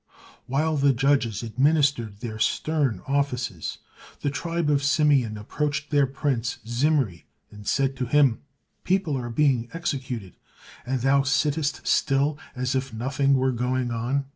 While the judges administered their stern offices, the tribe of Simeon approached their prince, Zimri, and said to him, "People are being executed, and thou sittest still as if nothing were going on."